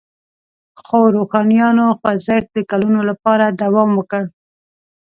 خو روښانیانو خوځښت د کلونو لپاره دوام وکړ.